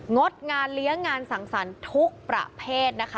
ดงานเลี้ยงงานสังสรรค์ทุกประเภทนะคะ